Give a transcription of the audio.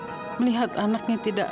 aku pernah jauh jauh nadil bahwa k